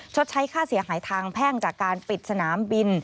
ใช้ค่าเสียหายทางแพ่งจากการปิดสนามบิน